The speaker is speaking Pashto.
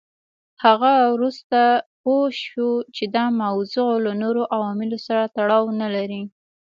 هغه وروسته پوه شو چې دا موضوع له نورو عواملو سره تړاو نه لري.